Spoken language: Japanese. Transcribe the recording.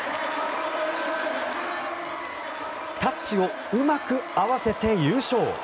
タッチをうまく合わせて優勝。